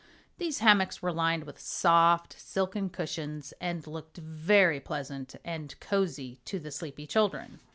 These hammocks were lined with soft, silken cushions and looked very pleasant and cozy to the sleepy children.